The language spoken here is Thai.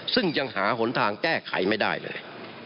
ซึ่งยังหาหนทางแก้ไขไม่ได้เลย